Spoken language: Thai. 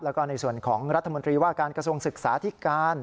แล้วก็ในส่วนของรัฐมนตรีว่าการกระทรวงศึกษาที่การ